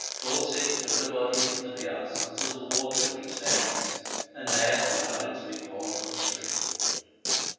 Four Sikhs took her body into the Bias until the water reached their necks, and there allowed it to be borne on the stream.